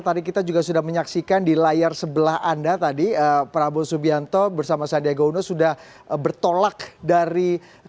tadi kita juga sudah menyaksikan di layar sebelah anda tadi prabowo subianto bersama sandiaga uno sudah bertolak dari